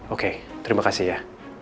oke terima kasih ya